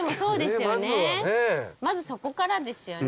まずそこからですよね。